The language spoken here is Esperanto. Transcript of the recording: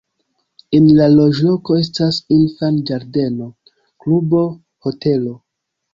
En la loĝloko estas infan-ĝardeno, klubo, hotelo.